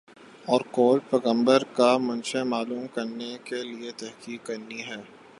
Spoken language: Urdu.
اور قولِ پیغمبر کا منشامعلوم کرنے کے لیے تحقیق کرنی ہے